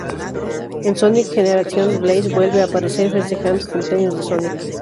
En Sonic Generations, Blaze vuelve a aparecer festejando el cumpleaños de Sonic.